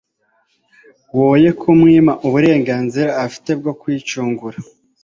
woye kumwima uburenganzira afite bwo kwicungura